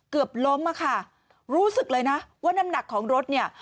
เกือบล้มอะค่ะรู้สึกเลยนะว่าน้ำหนักของรถเนี่ย